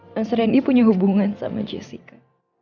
mas reni punya hubungan sama jessica